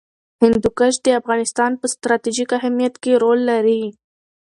هندوکش د افغانستان په ستراتیژیک اهمیت کې رول لري.